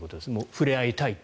触れ合いたいと。